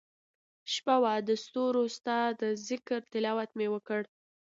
شپه وه دستورو ستا دذکرتلاوت مي وکړ